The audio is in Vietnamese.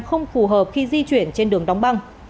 không phù hợp khi di chuyển trên đường đóng băng